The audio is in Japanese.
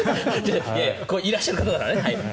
いらっしゃることだからね。